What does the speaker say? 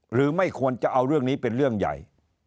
หรือไม่ควรจะเอาเรื่องนี้เป็นเรื่องใหญ่